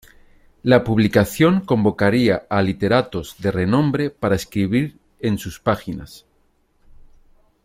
La publicación convocaría a literatos de renombre para escribir en sus páginas.